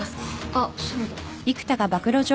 あっそうだ。